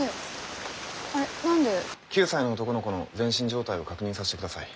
９歳の男の子の全身状態を確認させてください。